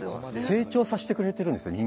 成長させてくれてるんですよね